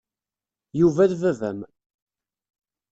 Yuba d baba-m.